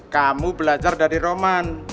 kamu belajar dari roman